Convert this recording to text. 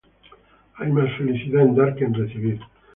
Hay mas felicidad en dar que en recibir.